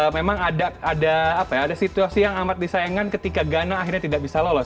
memang ada situasi yang amat disayangkan ketika ghana akhirnya tidak bisa lolos